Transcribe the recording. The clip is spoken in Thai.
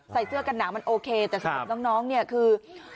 ใส่เสื้อกันหนาวมันโอเคแต่สำหรับน้องเนี่ยคือ